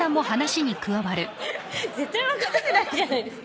絶対分かってないじゃないですか